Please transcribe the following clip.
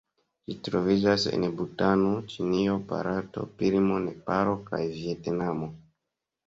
Ĝi troviĝas en Butano, Ĉinio, Barato, Birmo, Nepalo kaj Vjetnamo.